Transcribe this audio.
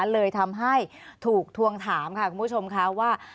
เลยทำให้ถูกทวงถามค่ะคุณผู้ชมค่ะว่า